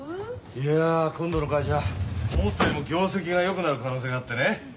いや今度の会社思ったよりも業績がよくなる可能性があってね。